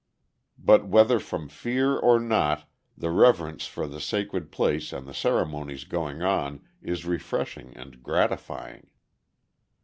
But whether from fear or not, the reverence for the sacred place and the ceremonies going on is refreshing and gratifying.